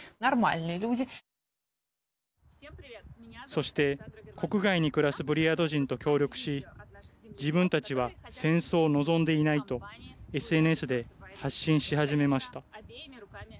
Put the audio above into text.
そして、国外に暮らすブリヤート人と協力し自分たちは戦争を望んでいないとＳＮＳで発信し始めました。